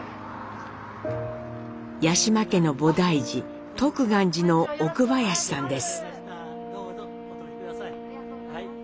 八嶋家の菩提寺徳願寺の奥林さんです。